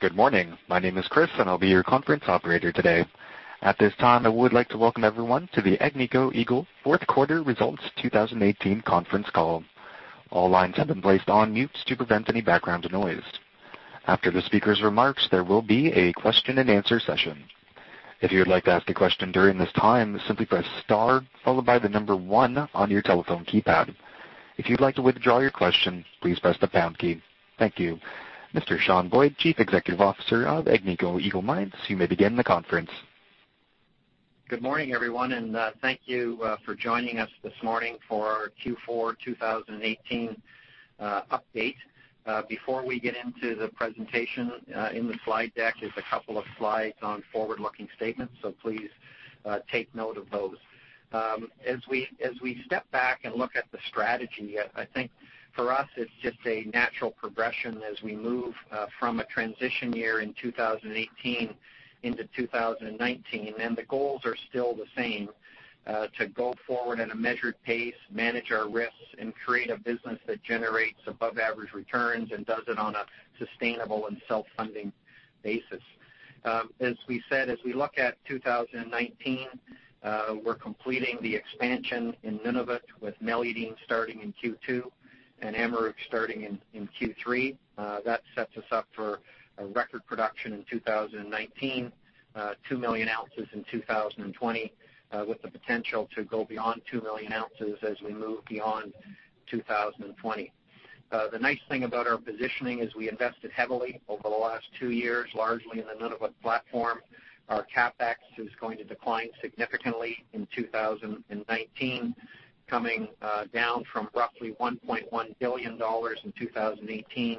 Good morning. My name is Chris, and I'll be your conference operator today. At this time, I would like to welcome everyone to the Agnico Eagle Fourth Quarter Results 2018 Conference Call. All lines have been placed on mute to prevent any background noise. After the speaker's remarks, there will be a question and answer session. If you would like to ask a question during this time, simply press star followed by the number one on your telephone keypad. If you'd like to withdraw your question, please press the pound key. Thank you. Mr. Sean Boyd, Chief Executive Officer of Agnico Eagle Mines, you may begin the conference. Good morning, everyone, and thank you for joining us this morning for our Q4 2018 update. Before we get into the presentation, in the slide deck is a couple of slides on forward-looking statements. Please take note of those. As we step back and look at the strategy, I think for us, it's just a natural progression as we move from a transition year in 2018 into 2019. The goals are still the same, to go forward at a measured pace, manage our risks, and create a business that generates above-average returns and does it on a sustainable and self-funding basis. As we said, as we look at 2019, we're completing the expansion in Nunavut with Meliadine starting in Q2 and Amaruq starting in Q3. That sets us up for a record production in 2019, 2 million ounces in 2020, with the potential to go beyond 2 million ounces as we move beyond 2020. The nice thing about our positioning is we invested heavily over the last two years, largely in the Nunavut platform. Our CapEx is going to decline significantly in 2019, coming down from roughly $1.1 billion in 2018,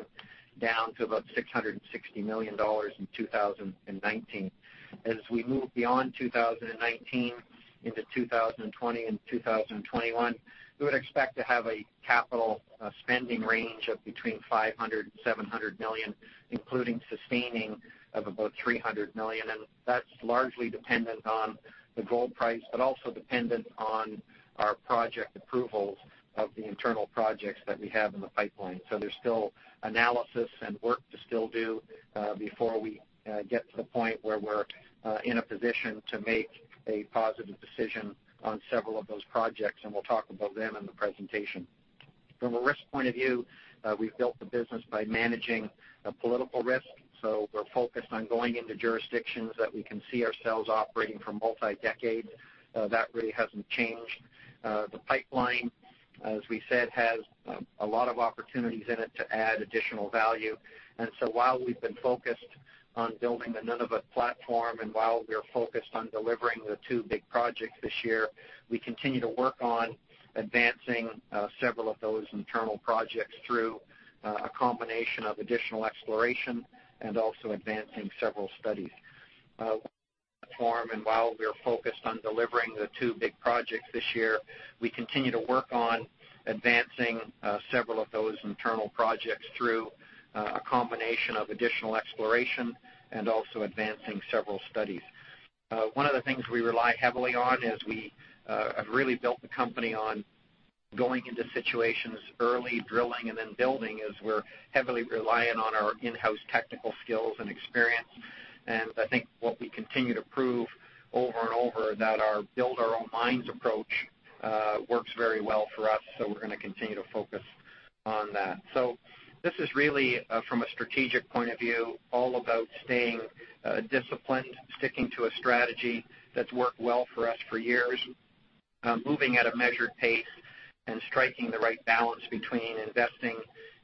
down to about $660 million in 2019. As we move beyond 2019 into 2020 and 2021, we would expect to have a capital spending range of between $500 million and $700 million, including sustaining of about $300 million. That's largely dependent on the gold price, but also dependent on our project approvals of the internal projects that we have in the pipeline. There's still analysis and work to still do, before we get to the point where we're in a position to make a positive decision on several of those projects. We'll talk about them in the presentation. From a risk point of view, we've built the business by managing a political risk. We're focused on going into jurisdictions that we can see ourselves operating for multi-decades. That really hasn't changed. The pipeline, as we said, has a lot of opportunities in it to add additional value. While we've been focused on building the Nunavut platform and while we are focused on delivering the two big projects this year, we continue to work on advancing several of those internal projects through a combination of additional exploration and also advancing several studies. While we are focused on delivering the two big projects this year, we continue to work on advancing several of those internal projects through a combination of additional exploration and also advancing several studies. One of the things we rely heavily on is we have really built the company on going into situations early, drilling and then building, as we're heavily reliant on our in-house technical skills and experience. I think what we continue to prove over and over, that our build our own mines approach works very well for us, we're going to continue to focus on that. This is really, from a strategic point of view, all about staying disciplined, sticking to a strategy that's worked well for us for years, moving at a measured pace and striking the right balance between investing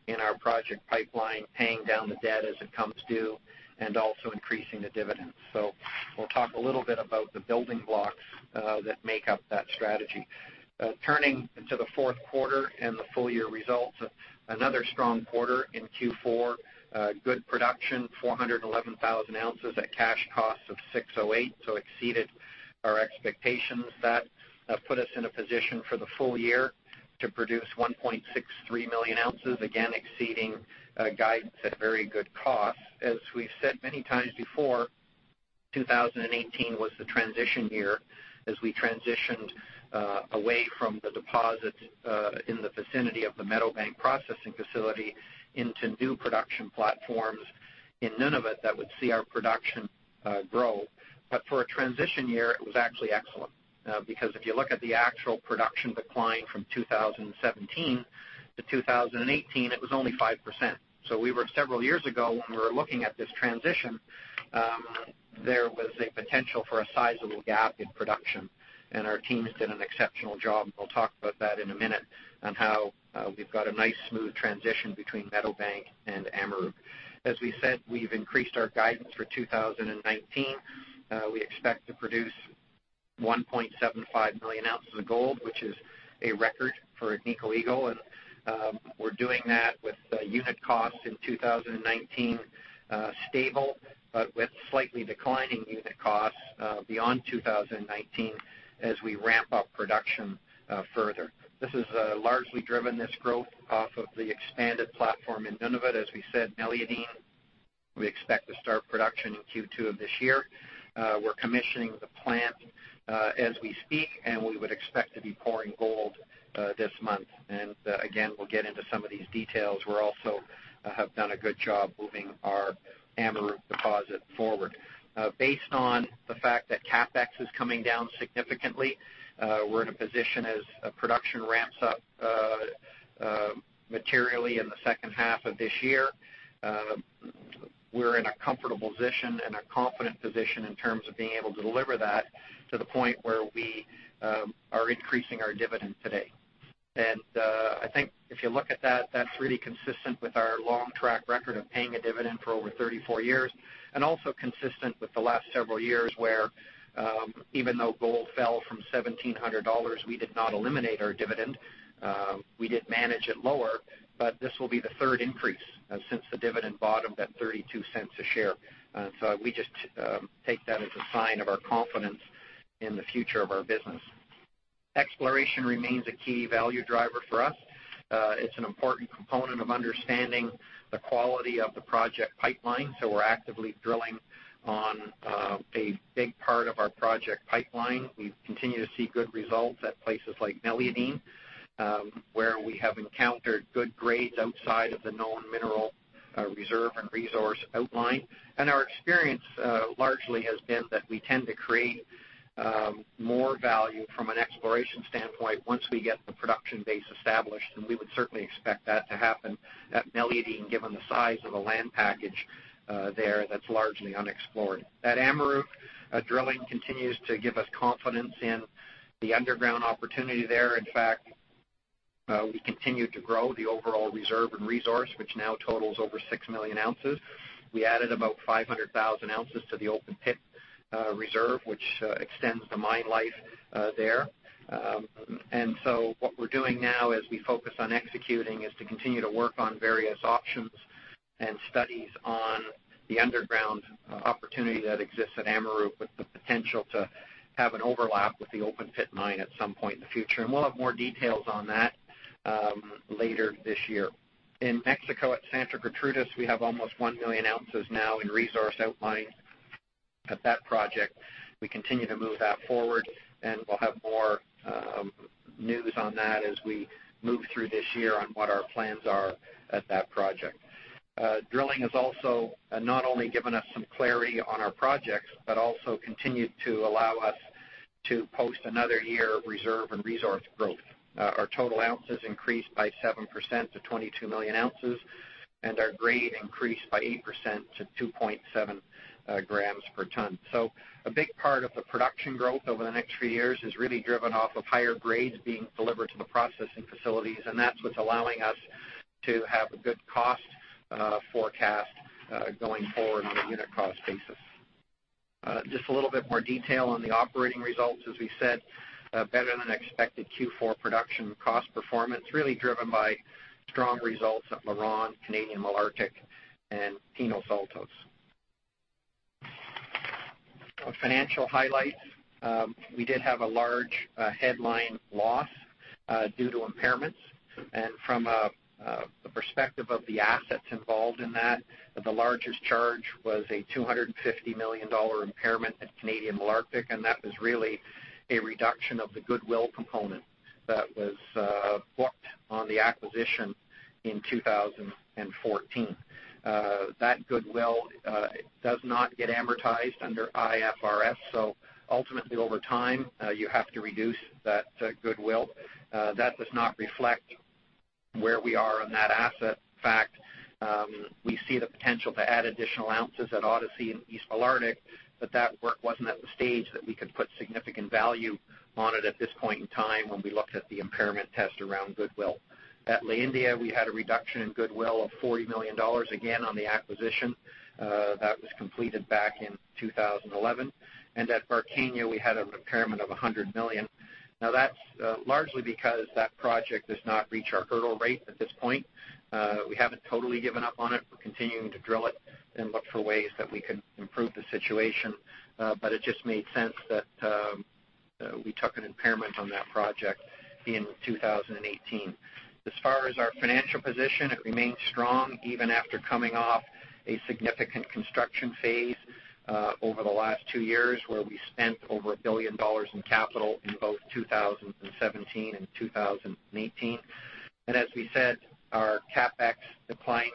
in our project pipeline, paying down the debt as it comes due, and also increasing the dividends. We'll talk a little bit about the building blocks that make up that strategy. Turning to the fourth quarter and the full-year results, another strong quarter in Q4. Good production, 411,000 ounces at cash costs of $608, exceeded our expectations. That put us in a position for the full year to produce 1.63 million ounces, again, exceeding guidance at very good cost. We've said many times before, 2018 was the transition year as we transitioned away from the deposit in the vicinity of the Meadowbank processing facility into new production platforms in Nunavut that would see our production grow. For a transition year, it was actually excellent. If you look at the actual production decline from 2017 to 2018, it was only 5%. We were several years ago when we were looking at this transition, there was a potential for a sizable gap in production, our team has done an exceptional job, we'll talk about that in a minute, on how we've got a nice, smooth transition between Meadowbank and Amaruq. We said, we've increased our guidance for 2019. We expect to produce 1.75 million ounces of gold, which is a record for Agnico Eagle, we're doing that with unit costs in 2019 stable, with slightly declining unit costs beyond 2019 as we ramp up production further. This has largely driven this growth off of the expanded platform in Nunavut. We said, Meliadine, we expect to start production in Q2 of this year. We're commissioning the plant as we speak, we would expect to be pouring gold this month. Again, we'll get into some of these details. We also have done a good job moving our Amaruq deposit forward. Based on the fact that CapEx is coming down significantly, we're in a position as production ramps up materially in the second half of this year. We're in a comfortable position and a confident position in terms of being able to deliver that to the point where we are increasing our dividend today. I think if you look at that's really consistent with our long track record of paying a dividend for over 34 years, and also consistent with the last several years where even though gold fell from $1,700, we did not eliminate our dividend. We did manage it lower, but this will be the third increase since the dividend bottomed at $0.32 a share. We just take that as a sign of our confidence in the future of our business. Exploration remains a key value driver for us. It's an important component of understanding the quality of the project pipeline, so we're actively drilling on a big part of our project pipeline. We continue to see good results at places like Meliadine, where we have encountered good grades outside of the known mineral reserve and resource outline. Our experience largely has been that we tend to create more value from an exploration standpoint once we get the production base established, and we would certainly expect that to happen at Meliadine, given the size of the land package there that's largely unexplored. At Amaruq, drilling continues to give us confidence in the underground opportunity there. In fact, we continue to grow the overall reserve and resource, which now totals over 6 million ounces. We added about 500,000 ounces to the open pit reserve, which extends the mine life there. What we're doing now as we focus on executing is to continue to work on various options and studies on the underground opportunity that exists at Amaruq with the potential to have an overlap with the open pit mine at some point in the future. We'll have more details on that later this year. In Mexico at Santa Gertrudis, we have almost 1 million ounces now in resource outline at that project. We continue to move that forward, and we'll have more news on that as we move through this year on what our plans are at that project. Drilling has also not only given us some clarity on our projects, but also continued to allow us to post another year of reserve and resource growth. Our total ounces increased by 7% to 22 million ounces, and our grade increased by 8% to 2.7 grams per ton. A big part of the production growth over the next few years is really driven off of higher grades being delivered to the processing facilities, and that's what's allowing us to have a good cost forecast going forward on a unit cost basis. Just a little bit more detail on the operating results. As we said, better than expected Q4 production cost performance really driven by strong results at LaRonde, Canadian Malartic, and Penasquitos. Financial highlights. We did have a large headline loss due to impairments. From a perspective of the assets involved in that, the largest charge was a $250 million impairment at Canadian Malartic, and that was really a reduction of the goodwill component that was booked on the acquisition in 2014. That goodwill does not get amortized under IFRS, ultimately, over time, you have to reduce that goodwill. We see the potential to add additional ounces at Odyssey and East Malartic, but that work wasn't at the stage that we could put significant value on it at this point in time when we looked at the impairment test around goodwill. At La India, we had a reduction in goodwill of $40 million, again, on the acquisition that was completed back in 2011. At Barquillos, we had an impairment of $100 million. That's largely because that project does not reach our hurdle rate at this point. We haven't totally given up on it. We're continuing to drill it and look for ways that we could improve the situation. It just made sense that we took an impairment on that project in 2018. As far as our financial position, it remains strong even after coming off a significant construction phase over the last two years, where we spent over $1 billion in capital in both 2017 and 2018. As we said, our CapEx declines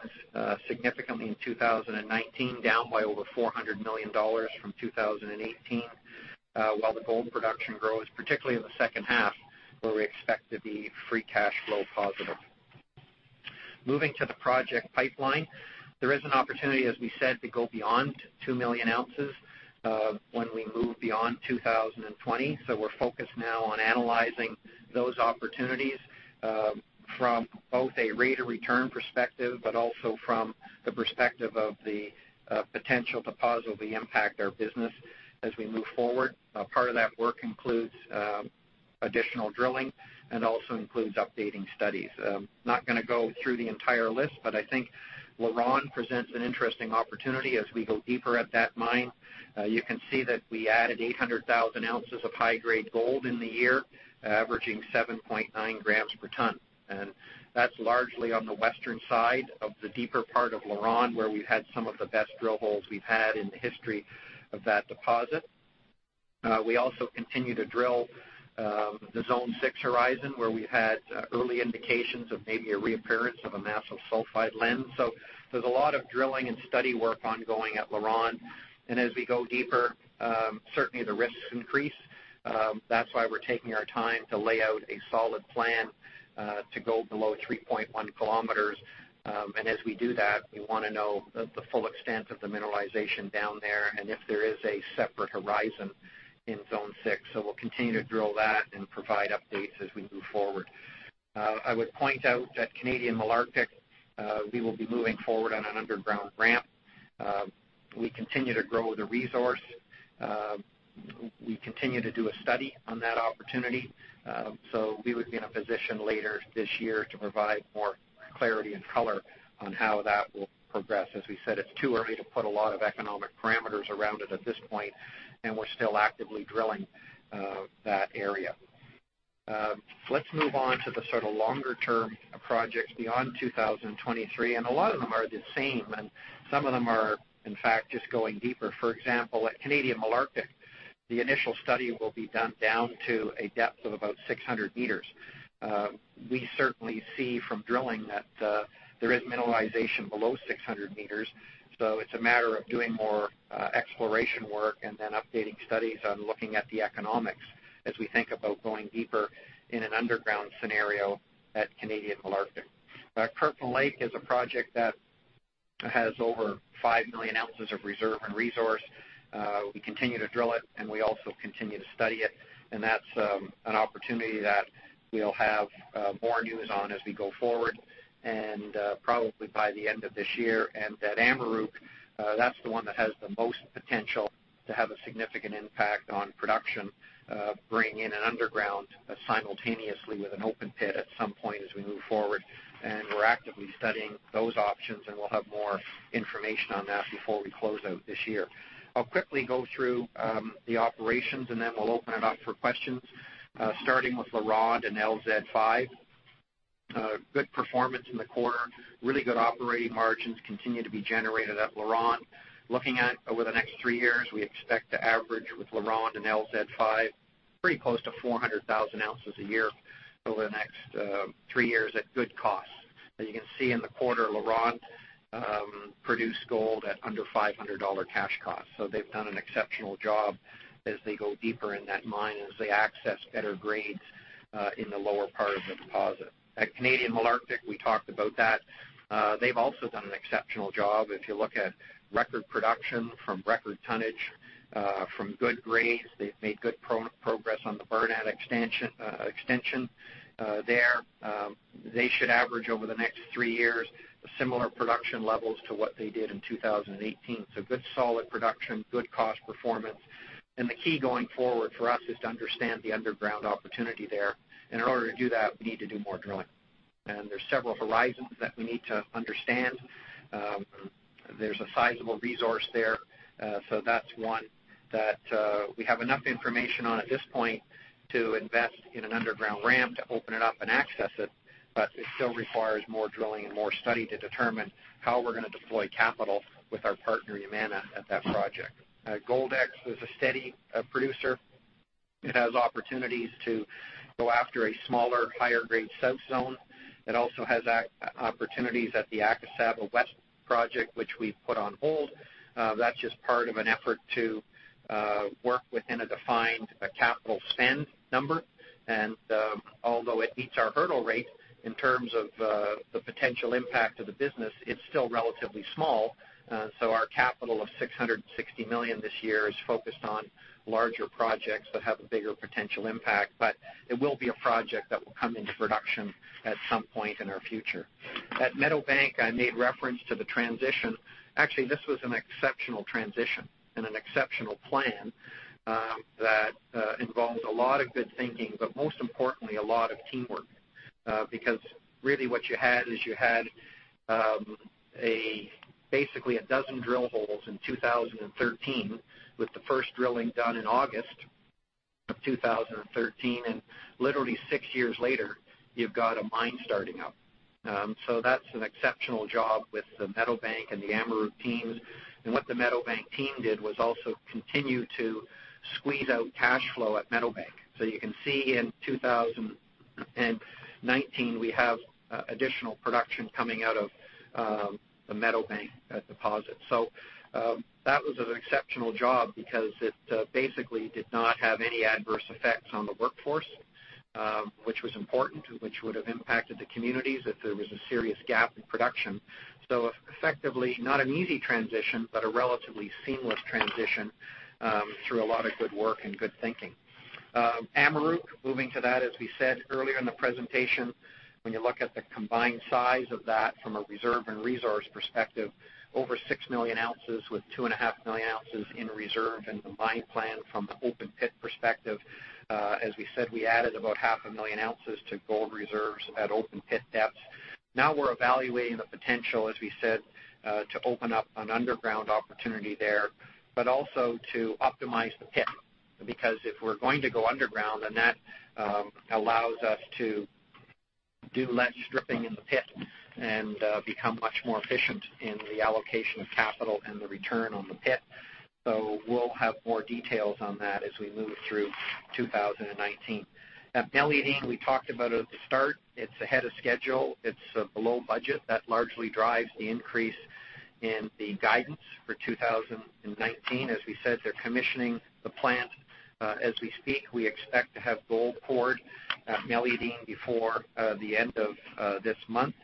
significantly in 2019, down by over $400 million from 2018 while the gold production grows, particularly in the second half, where we expect to be free cash flow positive. Moving to the project pipeline. There is an opportunity, as we said, to go beyond two million ounces when we move beyond 2020. We're focused now on analyzing those opportunities from both a rate of return perspective, but also from the perspective of the potential to positively impact our business as we move forward. Part of that work includes additional drilling and also includes updating studies. Not going to go through the entire list. I think LaRonde presents an interesting opportunity as we go deeper at that mine. You can see that we added 800,000 ounces of high-grade gold in the year, averaging 7.9 grams per ton. That's largely on the western side of the deeper part of LaRonde, where we've had some of the best drill holes we've had in the history of that deposit. We also continue to drill the Zone 6 horizon, where we had early indications of maybe a reappearance of a massive sulfide lens. There's a lot of drilling and study work ongoing at LaRonde, and as we go deeper, certainly the risks increase. That's why we're taking our time to lay out a solid plan to go below 3.1 kilometers. As we do that, we want to know the full extent of the mineralization down there and if there is a separate horizon in Zone 6. We'll continue to drill that and provide updates as we move forward. I would point out that Canadian Malartic, we will be moving forward on an underground ramp. We continue to grow the resource. We continue to do a study on that opportunity. We would be in a position later this year to provide more clarity and color on how that will progress. As we said, it's too early to put a lot of economic parameters around it at this point, and we're still actively drilling that area. Let's move on to the longer-term projects beyond 2023, and a lot of them are the same, and some of them are, in fact, just going deeper. For example, at Canadian Malartic, the initial study will be done down to a depth of about 600 meters. We certainly see from drilling that there is mineralization below 600 meters. It's a matter of doing more exploration work and then updating studies on looking at the economics as we think about going deeper in an underground scenario at Canadian Malartic. Kirkland Lake is a project that has over five million ounces of reserve and resource. We continue to drill it, and we also continue to study it, and that's an opportunity that we'll have more news on as we go forward, and probably by the end of this year. At Amaruq, that's the one that has the most potential to have a significant impact on production, bringing in an underground simultaneously with an open pit at some point as we move forward. We're actively studying those options, and we'll have more information on that before we close out this year. I'll quickly go through the operations, and then we'll open it up for questions. Starting with LaRonde and LZ 5. Good performance in the quarter. Really good operating margins continue to be generated at LaRonde. Looking at over the next three years, we expect to average with LaRonde and LZ 5 pretty close to 400,000 ounces a year over the next three years at good cost. As you can see in the quarter, LaRonde produced gold at under $500 cash cost. They've done an exceptional job as they go deeper in that mine, as they access better grades in the lower part of the deposit. At Canadian Malartic, we talked about that. They've also done an exceptional job. If you look at record production from record tonnage from good grades, they've made good progress on the Barnat extension there. They should average over the next three years similar production levels to what they did in 2018. Good solid production, good cost performance. The key going forward for us is to understand the underground opportunity there. In order to do that, we need to do more drilling. There's several horizons that we need to understand. There's a sizable resource there. That's one that we have enough information on at this point to invest in an underground ramp to open it up and access it, but it still requires more drilling and more study to determine how we're going to deploy capital with our partner, Yamana, at that project. Goldex is a steady producer. It has opportunities to go after a smaller, higher-grade sub-zone. It also has opportunities at the Akasaba West project, which we've put on hold. That's just part of an effort to work within a defined capital spend number. Although it beats our hurdle rate in terms of the potential impact of the business, it's still relatively small. Our capital of $660 million this year is focused on larger projects that have a bigger potential impact. It will be a project that will come into production at some point in our future. At Meadowbank, I made reference to the transition. Actually, this was an exceptional transition and an exceptional plan that involved a lot of good thinking, but most importantly, a lot of teamwork. Because really what you had is you had basically a dozen drill holes in 2013, with the first drilling done in August of 2013, and literally six years later, you've got a mine starting up. That's an exceptional job with the Meadowbank and the Amaruq teams. What the Meadowbank team did was also continue to squeeze out cash flow at Meadowbank. You can see in 2019, we have additional production coming out of the Meadowbank deposit. That was an exceptional job because it basically did not have any adverse effects on the workforce, which was important, which would have impacted the communities if there was a serious gap in production. Effectively, not an easy transition, but a relatively seamless transition through a lot of good work and good thinking. Amaruq, moving to that, as we said earlier in the presentation, when you look at the combined size of that from a reserve and resource perspective, over 6 million ounces with 2.5 million ounces in reserve and the mine plan from the open pit perspective, as we said, we added about 0.5 million ounces to gold reserves at open pit depths. Now we're evaluating the potential, as we said, to open up an underground opportunity there, but also to optimize the pit. If we're going to go underground, that allows us to do less stripping in the pit and become much more efficient in the allocation of capital and the return on the pit. We'll have more details on that as we move through 2019. At Meliadine, we talked about it at the start. It's ahead of schedule. It's below budget. That largely drives the increase in the guidance for 2019. As we said, they're commissioning the plant as we speak. We expect to have gold poured at Meliadine before the end of this month.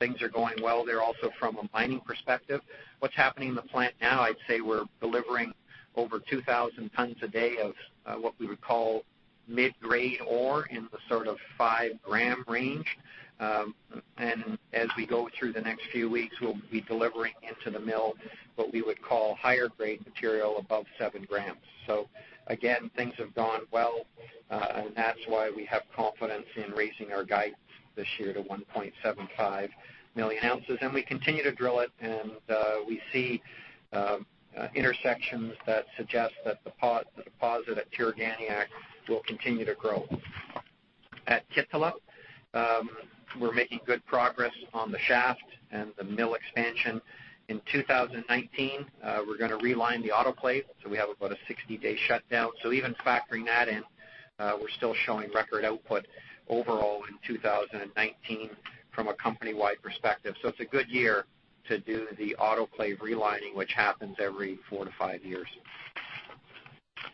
Things are going well there also from a mining perspective. What's happening in the plant now, I'd say we're delivering over 2,000 tons a day of what we would call mid-grade ore in the sort of 5-gram range. As we go through the next few weeks, we'll be delivering into the mill what we would call higher grade material above 7 grams. Again, things have gone well, and that's why we have confidence in raising our guidance this year to 1.75 million ounces. We continue to drill it, and we see intersections that suggest that the deposit at Tiriganiaq will continue to grow. At Kittila, we're making good progress on the shaft and the mill expansion. In 2019, we're going to realign the autoclave, so we have about a 60-day shutdown. Even factoring that in, we're still showing record output overall in 2019 from a company-wide perspective. It's a good year to do the autoclave realigning, which happens every four to five years.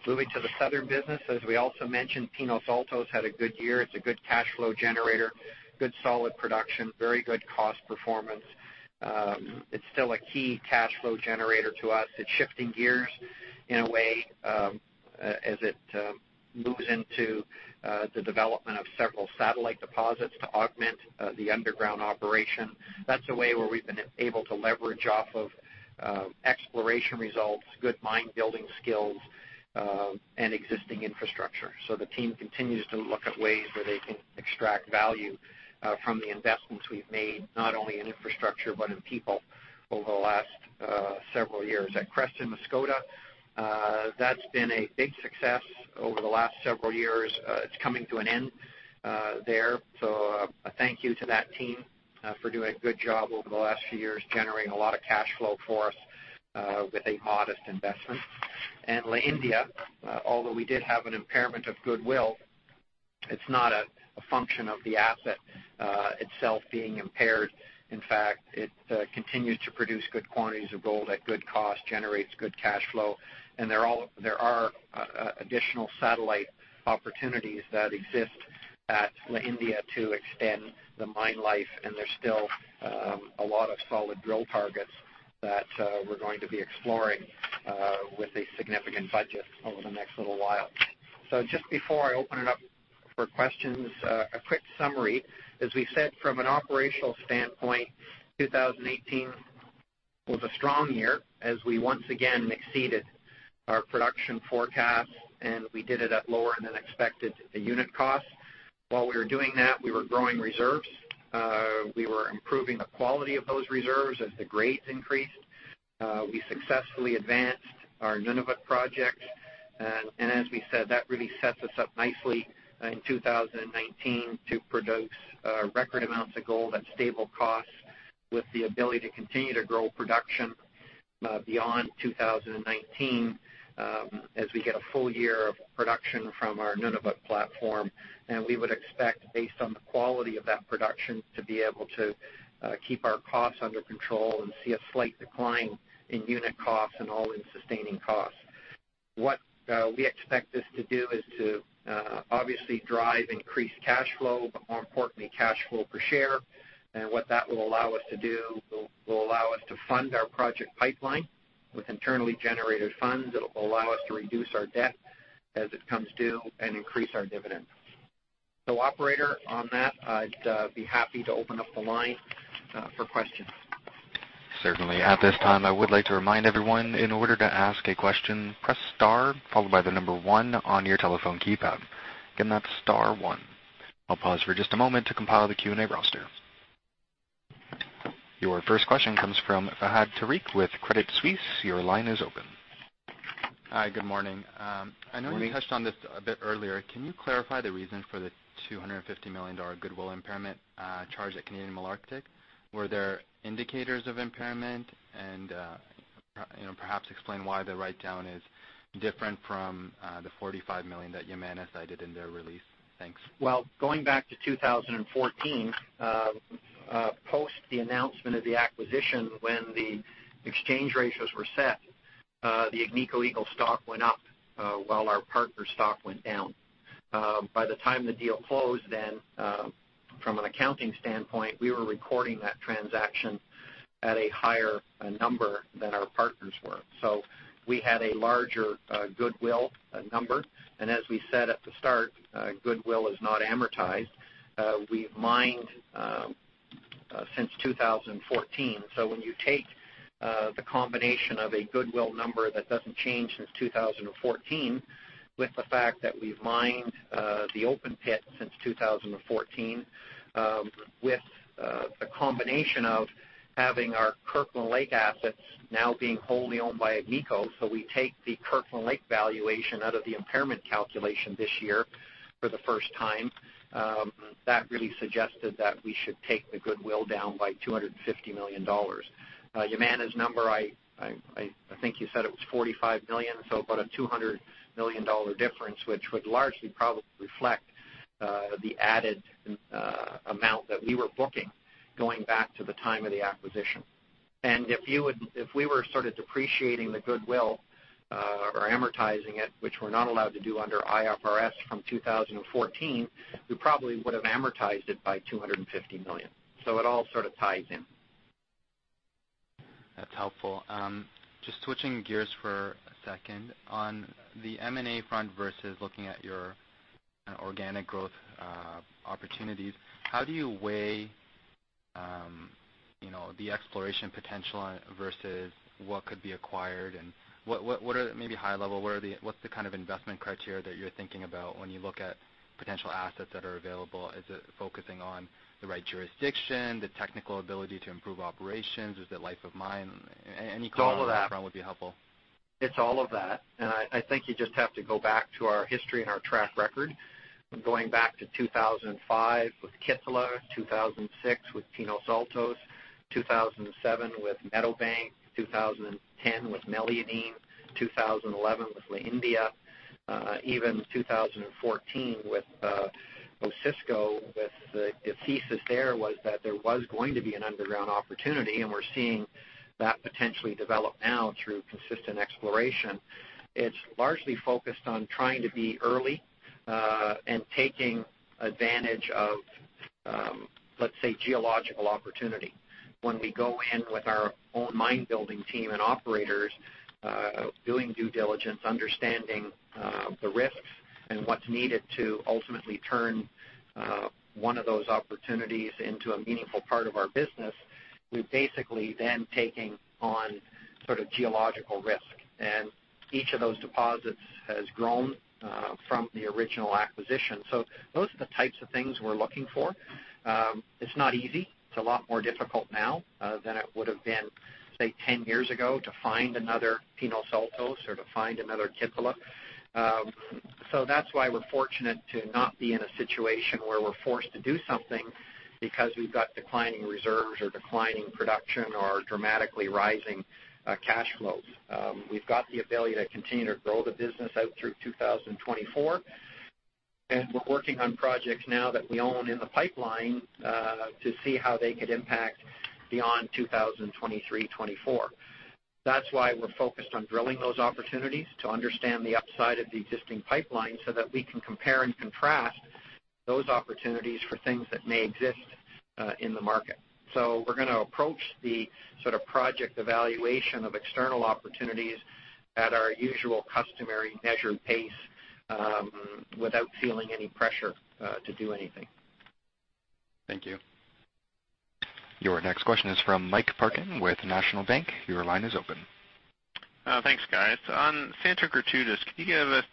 Moving to the southern business, as we also mentioned, Pinos Altos had a good year. It's a good cash flow generator, good solid production, very good cost performance. It's still a key cash flow generator to us. It's shifting gears in a way as it moves into the development of several satellite deposits to augment the underground operation. That's a way where we've been able to leverage off of exploration results, good mine building skills, and existing infrastructure. The team continues to look at ways where they can extract value from the investments we've made, not only in infrastructure, but in people over the last several years. At Creston Mascota, that's been a big success over the last several years. It's coming to an end there. A thank you to that team for doing a good job over the last few years, generating a lot of cash flow for us with a modest investment. La India, although we did have an impairment of goodwill, it's not a function of the asset itself being impaired. In fact, it continues to produce good quantities of gold at good cost, generates good cash flow, there are additional satellite opportunities that exist at La India to extend the mine life, and there's still a lot of solid drill targets that we're going to be exploring with a significant budget over the next little while. Just before I open it up for questions, a quick summary. As we said, from an operational standpoint, 2018 was a strong year as we once again exceeded our production forecast, and we did it at lower than expected unit cost. While we were doing that, we were growing reserves. We were improving the quality of those reserves as the grades increased. We successfully advanced our Nunavut project. As we said, that really sets us up nicely in 2019 to produce record amounts of gold at stable costs with the ability to continue to grow production beyond 2019 as we get a full year of production from our Nunavut platform. We would expect, based on the quality of that production, to be able to keep our costs under control and see a slight decline in unit costs and all-in sustaining costs. What we expect this to do is to obviously drive increased cash flow, but more importantly, cash flow per share. What that will allow us to do, will allow us to fund our project pipeline with internally generated funds. It'll allow us to reduce our debt as it comes due and increase our dividends. Operator, on that, I'd be happy to open up the line for questions. Certainly. At this time, I would like to remind everyone, in order to ask a question, press star followed by the number 1 on your telephone keypad. Again, that's star 1. I'll pause for just a moment to compile the Q&A roster. Your first question comes from Fahad Tariq with Credit Suisse. Your line is open. Hi, good morning. Morning. I know you touched on this a bit earlier. Can you clarify the reason for the $250 million goodwill impairment charge at Canadian Malartic? Were there indicators of impairment? Perhaps explain why the write-down is different from the $45 million that Yamana cited in their release. Thanks. Going back to 2014, post the announcement of the acquisition when the exchange ratios were set, the Agnico Eagle stock went up while our partner stock went down. By the time the deal closed, from an accounting standpoint, we were recording that transaction at a higher number than our partners were. We had a larger goodwill number. As we said at the start, goodwill is not amortized. We've mined since 2014. When you take the combination of a goodwill number that doesn't change since 2014, with the fact that we've mined the open pit since 2014, with the combination of having our Kirkland Lake assets now being wholly owned by Agnico, we take the Kirkland Lake valuation out of the impairment calculation this year. For the first time, that really suggested that we should take the goodwill down by $250 million. Yamana's number, I think you said it was $45 million, about a $200 million difference, which would largely probably reflect the added amount that we were booking going back to the time of the acquisition. If we were sort of depreciating the goodwill or amortizing it, which we're not allowed to do under IFRS from 2014, we probably would've amortized it by $250 million. It all sort of ties in. That's helpful. Just switching gears for a second. On the M&A front versus looking at your organic growth opportunities, how do you weigh the exploration potential versus what could be acquired, and maybe high level, what's the kind of investment criteria that you're thinking about when you look at potential assets that are available? Is it focusing on the right jurisdiction, the technical ability to improve operations? Is it life of mine? Any comment. It's all of that. On that front would be helpful. It's all of that, and I think you just have to go back to our history and our track record of going back to 2005 with Kittila, 2006 with Pinos Altos, 2007 with Meadowbank, 2010 with Meliadine, 2011 with La India, even 2014 with Osisko, with the thesis there was that there was going to be an underground opportunity, and we're seeing that potentially develop now through consistent exploration. It's largely focused on trying to be early, and taking advantage of, let's say, geological opportunity. When we go in with our own mine building team and operators, doing due diligence, understanding the risks and what's needed to ultimately turn one of those opportunities into a meaningful part of our business, we're basically then taking on sort of geological risk, and each of those deposits has grown from the original acquisition. Those are the types of things we're looking for. It's not easy. It's a lot more difficult now than it would've been, say, 10 years ago to find another Pinos Altos or to find another Kittila. That's why we're fortunate to not be in a situation where we're forced to do something because we've got declining reserves or declining production or dramatically rising cash flows. We've got the ability to continue to grow the business out through 2024, and we're working on projects now that we own in the pipeline to see how they could impact beyond 2023, 2024. That's why we're focused on drilling those opportunities to understand the upside of the existing pipeline so that we can compare and contrast those opportunities for things that may exist in the market. We're going to approach the sort of project evaluation of external opportunities at our usual customary measured pace, without feeling any pressure to do anything. Thank you. Your next question is from Mike Parkin with National Bank. Your line is open. Thanks, guys. On Santa Gertrudis, can you give us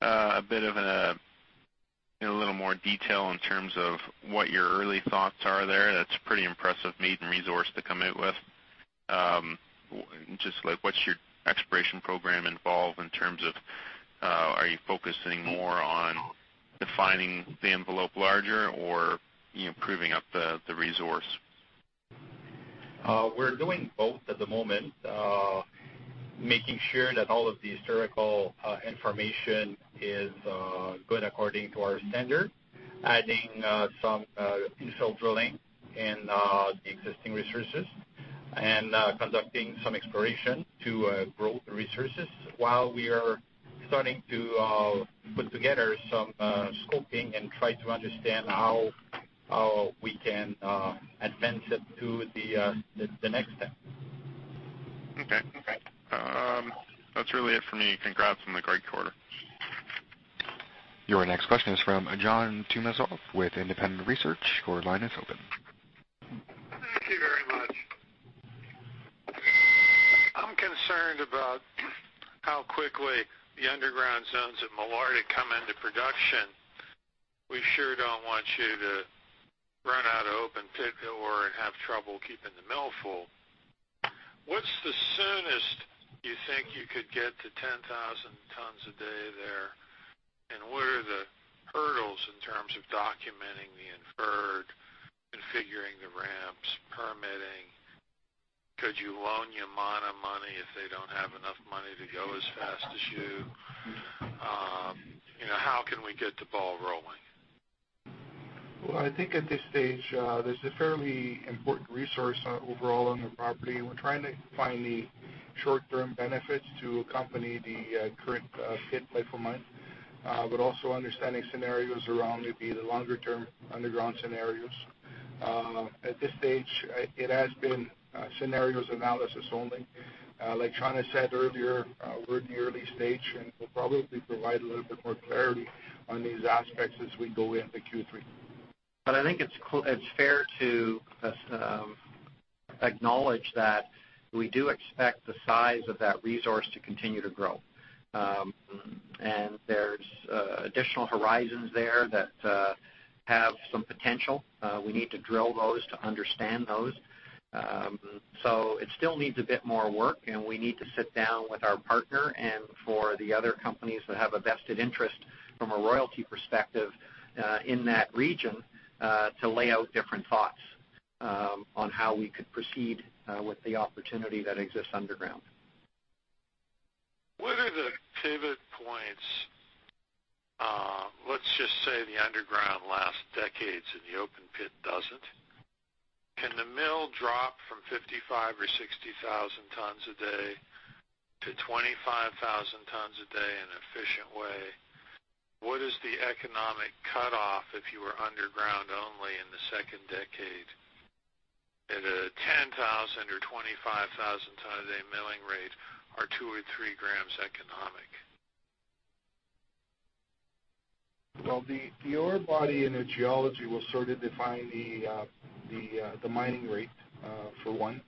a bit of a little more detail in terms of what your early thoughts are there? That's a pretty impressive maiden resource to come out with. Just what's your exploration program involve in terms of are you focusing more on defining the envelope larger or proving up the resource? We're doing both at the moment. Making sure that all of the historical information is good according to our standard, adding some infill drilling in the existing resources, and conducting some exploration to grow resources while we are starting to put together some scoping and try to understand how we can advance it to the next step. Okay. That's really it for me. Congrats on the great quarter. Your next question is from John Tumazos with Independent Research. Your line is open. Thank you very much. I'm concerned about how quickly the underground zones at Malartic come into production. We sure don't want you to run out of open pit ore and have trouble keeping the mill full. What's the soonest you think you could get to 10,000 tons a day there? What are the hurdles in terms of documenting the inferred, configuring the ramps, permitting? Could you loan Yamana money if they don't have enough money to go as fast as you? How can we get the ball rolling? Well, I think at this stage, there's a fairly important resource overall on the property, and we're trying to find the short-term benefits to accompany the current pit life of mine. Also understanding scenarios around maybe the longer term underground scenarios. At this stage, it has been scenarios analysis only. Like Sean has said earlier, we're in the early stage, and we'll probably provide a little bit more clarity on these aspects as we go into Q3. I think it's fair to acknowledge that we do expect the size of that resource to continue to grow. There's additional horizons there that Have some potential. We need to drill those to understand those. It still needs a bit more work, we need to sit down with our partner and for the other companies that have a vested interest from a royalty perspective, in that region, to lay out different thoughts on how we could proceed with the opportunity that exists underground. What are the pivot points? Let's just say the underground lasts decades and the open pit doesn't. Can the mill drop from 55,000 or 60,000 tons a day to 25,000 tons a day in an efficient way? What is the economic cutoff if you were underground only in the second decade? At a 10,000 or 25,000 ton a day milling rate, are two or three grams economic? Well, the ore body and the geology will sort of define the mining rate for one.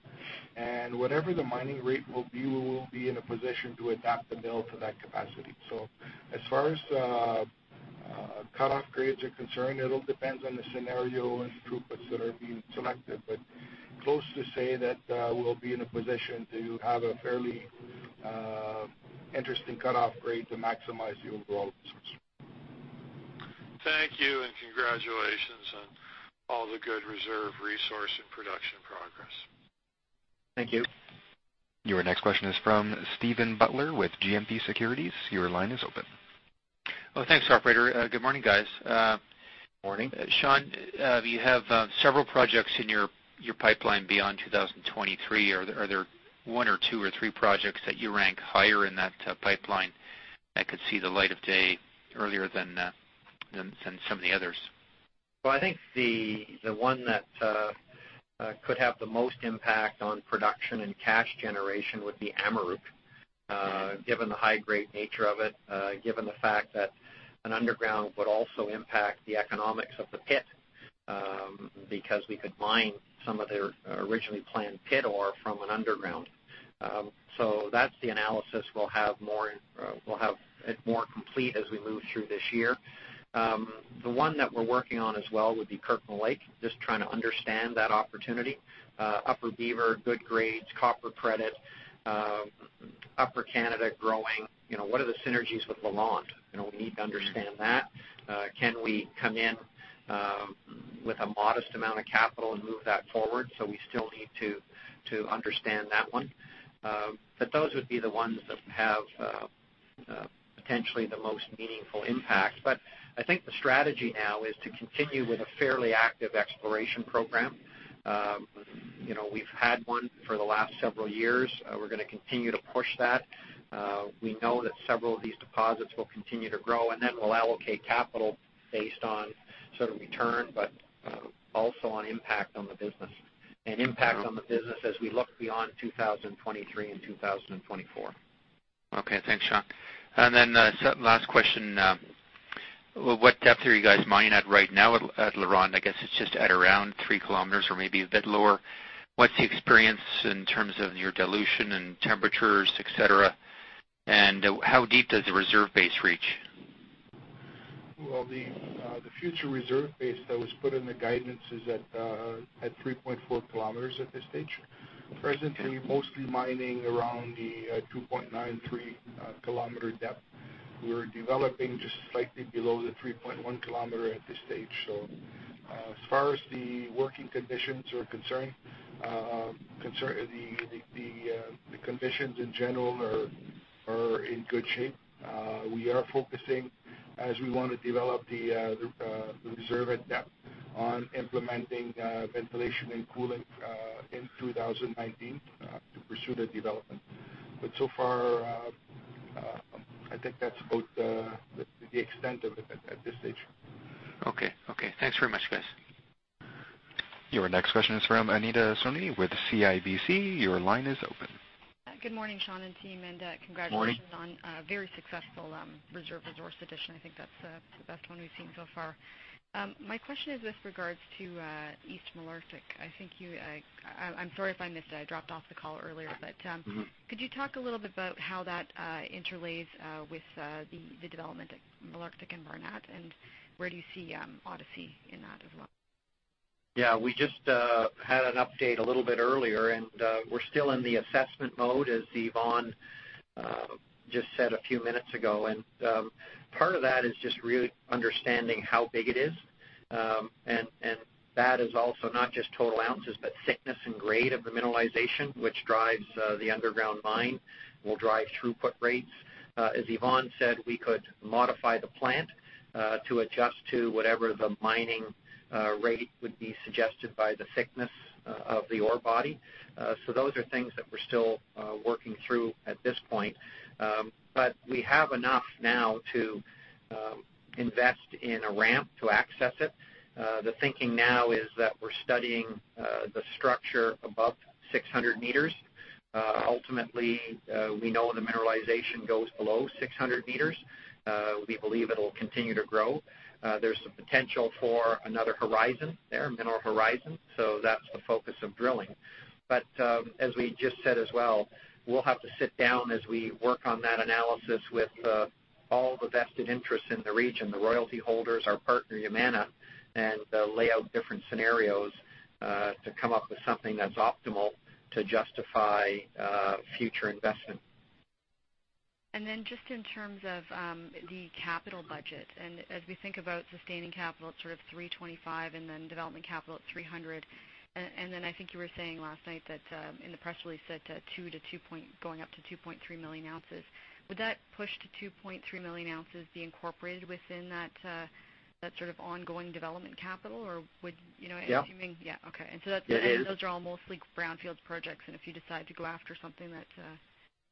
Whatever the mining rate will be, we will be in a position to adapt the mill to that capacity. As far as cutoff grades are concerned, it all depends on the scenario and throughputs that are being selected, but close to say that we'll be in a position to have a fairly interesting cutoff grade to maximize the overall results. Thank you. Congratulations on all the good reserve resource and production progress. Thank you. Your next question is from Steven Butler with GMP Securities. Your line is open. Thanks operator. Good morning, guys. Morning. Sean, you have several projects in your pipeline beyond 2023. Are there one or two or three projects that you rank higher in that pipeline that could see the light of day earlier than some of the others? I think the one that could have the most impact on production and cash generation would be Amaruq, given the high grade nature of it, given the fact that an underground would also impact the economics of the pit, because we could mine some of the originally planned pit ore from an underground. That's the analysis we'll have more complete as we move through this year. The one that we're working on as well would be Kirkland Lake, just trying to understand that opportunity. Upper Beaver, good grades, copper credit, Upper Canada growing. What are the synergies with LaRonde? We need to understand that. Can we come in with a modest amount of capital and move that forward? We still need to understand that one. Those would be the ones that have potentially the most meaningful impact. I think the strategy now is to continue with a fairly active exploration program. We've had one for the last several years. We're going to continue to push that. We know that several of these deposits will continue to grow, and then we'll allocate capital based on sort of return, also on impact on the business, and impact on the business as we look beyond 2023 and 2024. Okay. Thanks, Sean. Last question, what depth are you guys mining at right now at LaRonde? I guess it's just at around three kilometers or maybe a bit lower. What's the experience in terms of your dilution and temperatures, et cetera, and how deep does the reserve base reach? The future reserve base that was put in the guidance is at 3.4 kilometers at this stage. Presently, mostly mining around the 2.93-kilometer depth. We're developing just slightly below the 3.1 kilometer at this stage. As far as the working conditions are concerned, the conditions, in general, are in good shape. We are focusing, as we want to develop the reserve at depth, on implementing ventilation and cooling in 2019 to pursue the development. So far, I think that's about the extent of it at this stage. Okay. Thanks very much, guys. Your next question is from Anita Soni with CIBC. Your line is open. Good morning, Sean and team, and congratulations. Morning On a very successful reserve resource addition. I think that's the best one we've seen so far. My question is with regards to East Malartic. I'm sorry if I missed it, I dropped off the call earlier, but could you talk a little bit about how that interlace with the development at Malartic and Barnat, and where do you see Odyssey in that as well? Yeah, we just had an update a little bit earlier, we're still in the assessment mode, as Yvon just said a few minutes ago, part of that is just really understanding how big it is. That is also not just total ounces, but thickness and grade of the mineralization, which drives the underground mine, will drive throughput rates. As Yvon said, we could modify the plant to adjust to whatever the mining rate would be suggested by the thickness of the ore body. Those are things that we're still working through at this point. We have enough now to invest in a ramp to access it. The thinking now is that we're studying the structure above 600 meters. Ultimately, we know the mineralization goes below 600 meters. We believe it'll continue to grow. There's the potential for another horizon there, a mineral horizon, that's the focus of drilling. As we just said as well, we'll have to sit down as we work on that analysis with all the vested interests in the region, the royalty holders, our partner, Yamana, and lay out different scenarios to come up with something that's optimal to justify future investment. Just in terms of the capital budget, and as we think about sustaining capital at sort of $325 and then development capital at $300, and then I think you were saying last night that in the press release said going up to 2.3 million ounces. Would that push to 2.3 million ounces be incorporated within that sort of ongoing development capital? Yep. Yeah. Okay. It is. Those are all mostly brownfield projects, and if you decide to go after something that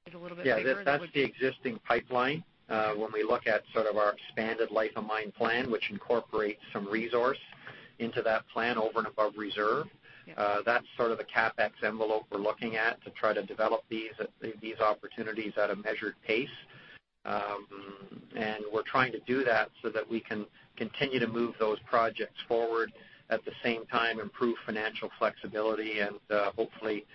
is a little bit bigger. Yeah, that's the existing pipeline. When we look at our expanded life of mine plan, which incorporates some resource into that plan over and above reserve, that's sort of the CapEx envelope we're looking at to try to develop these opportunities at a measured pace. We're trying to do that so that we can continue to move those projects forward, at the same time improve financial flexibility and hopefully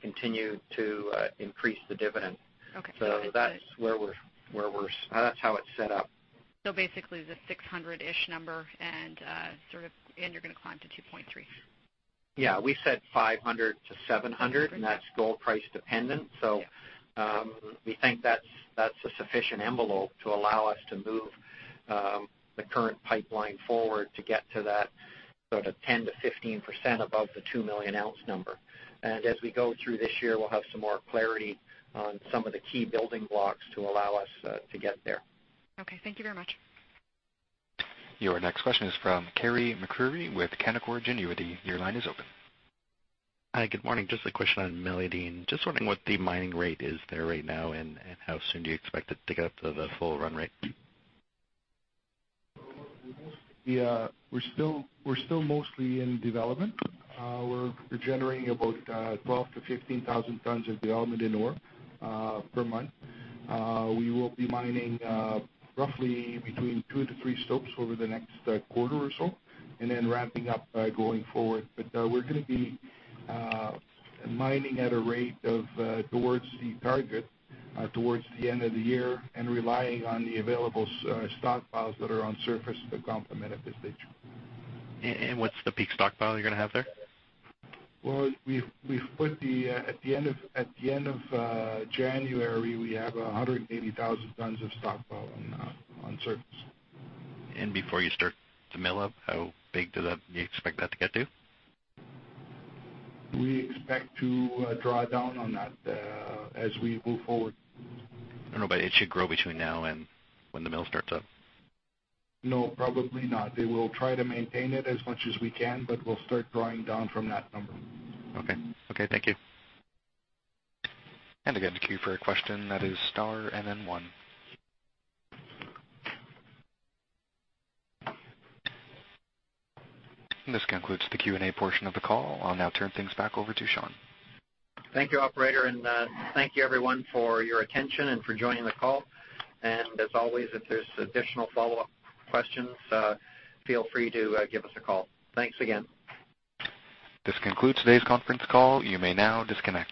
continue to increase the dividend. Okay. That's how it's set up. Basically the $600-ish number and you're going to climb to 2.3. Yeah. We said $500-$700, and that's gold price dependent. We think that's a sufficient envelope to allow us to move the current pipeline forward to get to that sort of 10%-15% above the 2 million ounce number. As we go through this year, we'll have some more clarity on some of the key building blocks to allow us to get there. Okay. Thank you very much. Your next question is from Carey MacRury with Canaccord Genuity. Your line is open. Hi. Good morning. Just a question on Meliadine. Just wondering what the mining rate is there right now and how soon do you expect it to get up to the full run rate? We're still mostly in development. We're generating about 12,000 to 15,000 tons of the Meliadine ore, per month. We will be mining roughly between two to three stopes over the next quarter or so, and then ramping up going forward. We're going to be mining at a rate towards the target towards the end of the year and relying on the available stockpiles that are on surface to complement at this stage. What's the peak stockpile you're going to have there? Well, at the end of January, we have 180,000 tons of stockpile on surface. Before you start to mill up, how big do you expect that to get to? We expect to draw down on that as we move forward. I don't know, it should grow between now and when the mill starts up. No, probably not. We will try to maintain it as much as we can, but we'll start drawing down from that number. Okay. Thank you. Again, to queue for a question that is star and then one. This concludes the Q&A portion of the call. I'll now turn things back over to Sean. Thank you, operator, and thank you everyone for your attention and for joining the call. As always, if there's additional follow-up questions, feel free to give us a call. Thanks again. This concludes today's conference call. You may now disconnect.